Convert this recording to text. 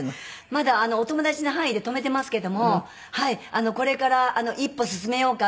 まだお友達の範囲で止めてますけどもこれから一歩進めようか？